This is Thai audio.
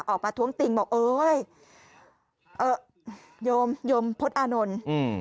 ออกมาท้วงติงบอกโอ๊ยโยมโยมพระอานนท์